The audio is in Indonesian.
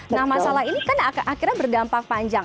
nah masalah ini kan akhirnya berdampak panjang